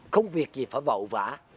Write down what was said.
không việc gì phải vậu vã